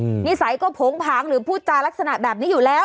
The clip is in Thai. นิสัยก็โผงผางหรือพูดจารักษณะแบบนี้อยู่แล้ว